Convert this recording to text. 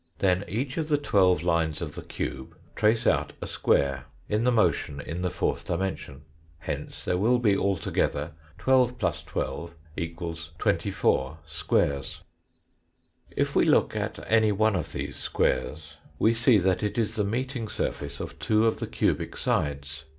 Then each of the twelve lines of the cube trace out a square in the motion in the fourth dimension. Hence there will be altogether 12 + 12 = 24 squares. If we look at any one of these squares we see that it is the meeting surface of two of the cubic sides.